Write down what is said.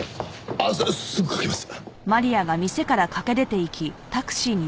あっすぐかけます。